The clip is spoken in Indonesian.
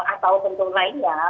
atau bentuk lainnya